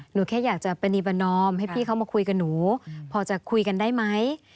แค่อยากจะประนีประนอมให้พี่เขามาคุยกับหนูพอจะคุยกันได้ไหม